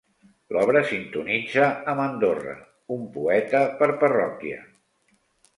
L'obra sintonitza amb Andorra: un poeta per parròquia.